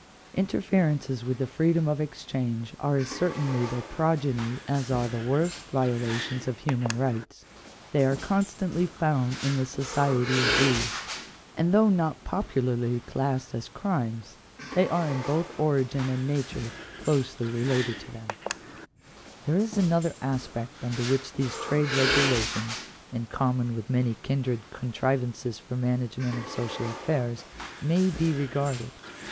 Interferences with the freedom of exchange are as certainly their progeny as are the worst violations of human rights: they are constantly found in the society of these: and though not popularly classed as crimes, they are in both origin and nature closely related to them. Digitized byCjOOQlC 800 THE REGULATION OF COMMERCE. §3. There is another aspect under which these trade regulations, in common with many kindred contrivances for the management of social affairs, may be regarded.